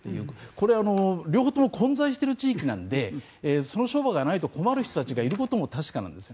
これ、両方とも混在している地域なのでその商売がないと困る人たちがいることも確かなんです。